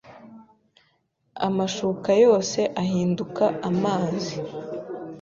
amashuka yose ahinduka amazi